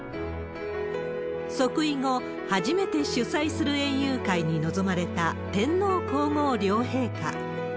即位後、初めて主催する園遊会に臨まれた天皇皇后両陛下。